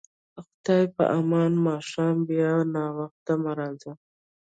خدای په امان، ماښام بیا ناوخته مه راځه.